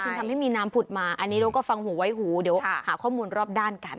ทำให้มีน้ำผุดมาอันนี้เราก็ฟังหูไว้หูเดี๋ยวหาข้อมูลรอบด้านกัน